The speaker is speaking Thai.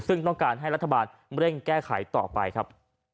ซึ่งต้องการให้รัฐบาลเร่งแก้ไขต่อไปครับ